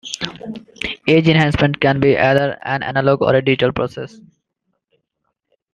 Edge enhancement can be either an analog or a digital process.